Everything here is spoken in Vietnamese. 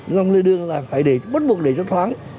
dòng lệ đường là phải bất buộc để cho thoáng